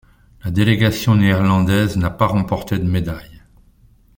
La délégation néerlandaise n'a pas remporté de médailles.